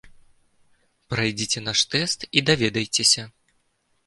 Прайдзіце наш тэст і даведайцеся!